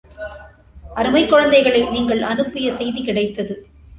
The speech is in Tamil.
அருமைக் குழந்தைகளே, நீங்கள் அனுப்பிய செய்தி கிடைத்தது.